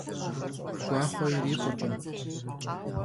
Guaxhue yirikhurkhım.